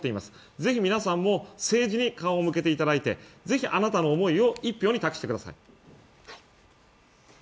ぜひ皆さんも政治に顔を向けていただいてぜひあなたの思いを１票に託してください